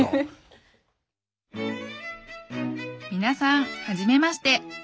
皆さんはじめまして！